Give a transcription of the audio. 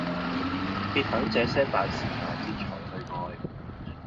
別等這些大時大節才去愛